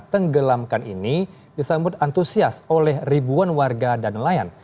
tenggelamkan ini disambut antusias oleh ribuan warga dan nelayan